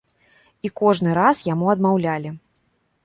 І кожны раз яму адмаўлялі.